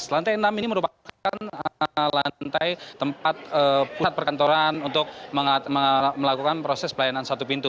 lantai enam ini merupakan lantai tempat pusat perkantoran untuk melakukan proses pelayanan satu pintu